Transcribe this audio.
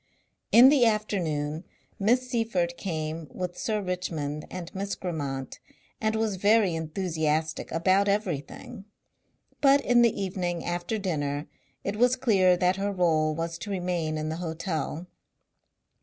In the afternoon Miss Seyffert came with Sir Richmond and Miss Grammont and was very enthusiastic about everything, but in the evening after dinner it was clear that her role was to remain in the hotel.